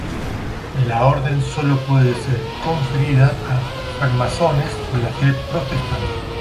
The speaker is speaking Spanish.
La orden sólo puede ser conferida a francmasones de la fe protestante.